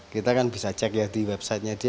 kita kan bisa cek ya di website nya dia